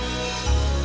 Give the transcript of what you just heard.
nih aku mau tidur